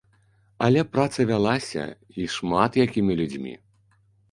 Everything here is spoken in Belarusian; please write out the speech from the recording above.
Але праца вялася, і шмат якімі людзьмі.